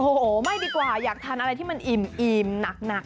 โอ้โหไม่ดีกว่าอยากทานอะไรที่มันอิ่มหนัก